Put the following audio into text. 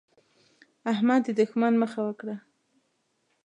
احمد د دوښمن مخه وکړه.